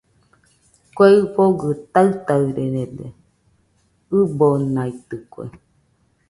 Kue ifɨgɨ taɨtarede, ɨbonaitɨkue